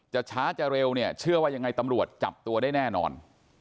ช้าจะเร็วเนี่ยเชื่อว่ายังไงตำรวจจับตัวได้แน่นอน